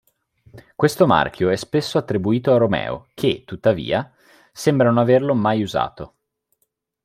Questo marchio è spesso attribuito a Romeo, che, tuttavia, sembra non averlo mai usato.